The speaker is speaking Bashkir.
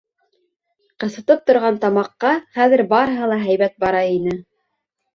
Ҡысытып торған тамаҡҡа хәҙер барыһы ла һәйбәт бара ине.